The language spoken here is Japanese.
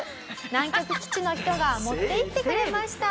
南極基地の人が持って行ってくれました。